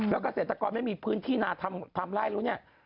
แล้วเกษตรกรไม่มีพื้นที่นาทำไล่แล้วเนี่ย